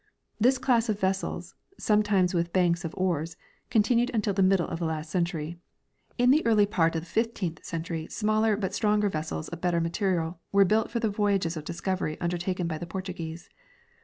This class of vessels, sometimes with banks of oars, continued until the middle of the last century. In the early part of the fifteenth century smaller but stronger vessels of better material were built for the voyages of discovery undertaken by the Portuguese.